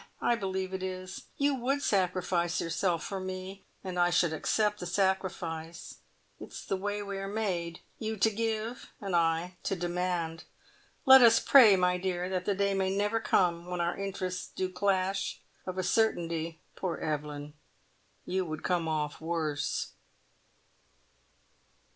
I believe it is. You would sacrifice yourself for me, and I should accept the sacrifice. It is the way we are made. You to give, and I to demand. Let us pray, my dear, that the day may never come when our interests do clash. Of a certainty, poor Evelyn, you would come off worse!"